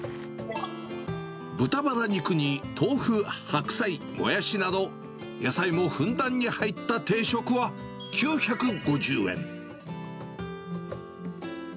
豚バラ肉に豆腐、白菜、モヤシなど、野菜もふんだんに入った定食は、９５０円。